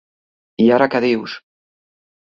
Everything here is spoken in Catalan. I ara què dius?